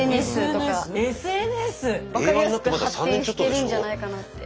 分かりやすく発展してるんじゃないかなって。